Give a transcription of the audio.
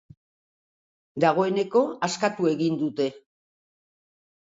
Dagoeneko askatu egin dute.